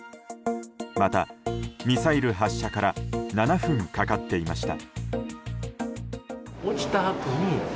また、ミサイル発射から７分かかっていました。